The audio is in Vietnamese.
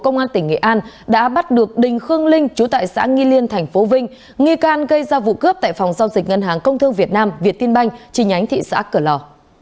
nghi can gây ra vụ cướp tại phòng giao dịch ngân hàng công thương việt nam việt tiên banh trình ánh thị xã cửa lò